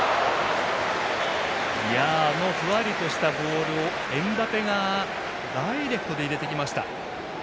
あのふわりとしたボールをエムバペがダイレクトで入れてきました。